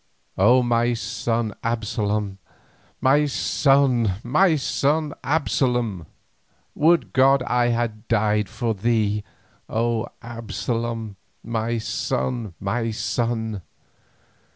"O my son Absalom, my son, my son Absalom! would God I had died for thee, O Absalom, my son, my son!"